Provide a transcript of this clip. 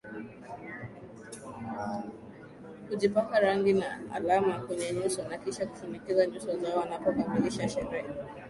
hujipaka rangi na alama kwenye nyuso na kisha kufunika nyuso zao wanapokamilisha sherehe